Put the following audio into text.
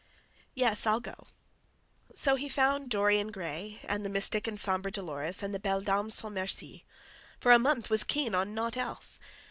"Yes, I'll go." So he found "Dorian Gray" and the "Mystic and Somber Dolores" and the "Belle Dame sans Merci"; for a month was keen on naught else.